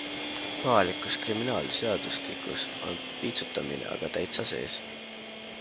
Kohalikus kriminaalseadustikus on piitsutamine aga täitsa sees.